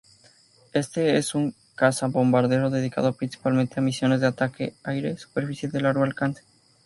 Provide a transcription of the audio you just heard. Este es un cazabombardero dedicado principalmente a misiones de ataque aire-superficie de largo alcance.